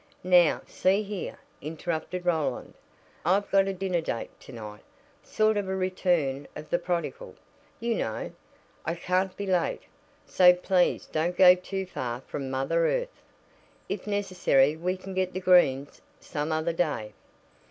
"Now, see here," interrupted Roland. "I've got a dinner date to night. Sort of a 'return of the prodigal,' you know. I can't be late. So please don't go too far from Mother Earth. If necessary we can get the greens some other day."